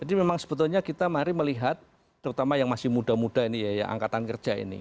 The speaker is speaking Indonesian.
jadi memang sebetulnya kita mari melihat terutama yang masih muda muda ini ya angkatan kerja ini